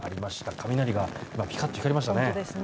雷がピカッと光りましたね。